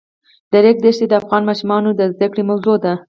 د ریګ دښتې د افغان ماشومانو د زده کړې موضوع ده.